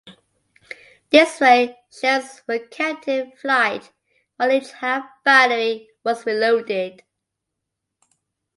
This way, shells were kept in flight while each half-battery was reloaded.